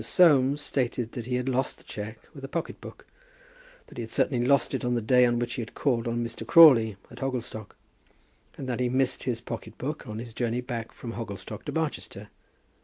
Soames stated that he had lost the cheque with a pocket book; that he had certainly lost it on the day on which he had called on Mr. Crawley at Hogglestock; and that he missed his pocket book on his journey back from Hogglestock to Barchester.